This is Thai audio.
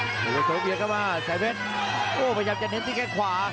โอ้โหหมูรอยโทษเบียนเข้ามาแซร์เวชโอ้โหมันยังจะเน้นตีแค่ขวา